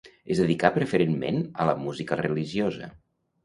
Es dedicà preferentment a la música religiosa.